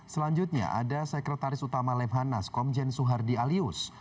selanjutnya ada sekretaris utama lembhan naskom komjen suhardi alyus